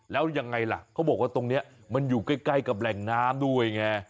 แล้วยังไงล่ะเขาบอกว่าตรงนี้มันอยู่ใกล้กับแหล่งน้ำด้วยไง